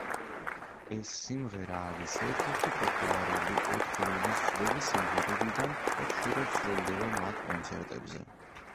ეს სიმღერა არის ერთ-ერთი პოპულარული ოთხეულის ძველი სიმღერებიდან და ხშირად სრულდება მათ კონცერტებზე.